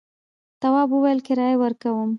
تواب وویل کرايه ورکوم.